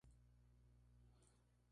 Además inaugura la exposición "Aral.